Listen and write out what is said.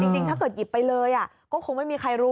จริงถ้าเกิดหยิบไปเลยก็คงไม่มีใครรู้